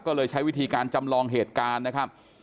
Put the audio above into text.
ก็เลยใช้วิธีการจำลองเหตุการณ์นะครับ